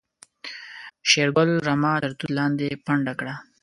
شېرګل رمه تر توت لاندې پنډه کړه.